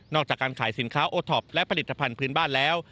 จากการขายสินค้าโอท็อปและผลิตภัณฑ์พื้นบ้านแล้ว